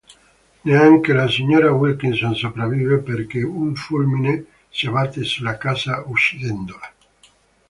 Neanche la signora Wilkinson sopravvive, perché un fulmine si abbatte sulla casa, uccidendola.